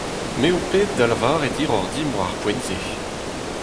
Me ho ped da lavaret hiroc'h dimp war ar poent-se…